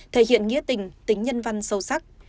thể hiện nghĩa tình tính nhân văn sâu sắc